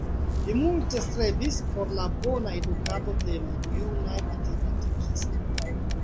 Li multe strebis por la bona edukado de junaj matematikistoj.